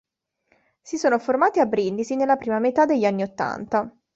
Si sono formati a Brindisi nella prima metà degli anni ottanta.